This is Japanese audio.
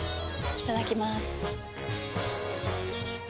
いただきまーす。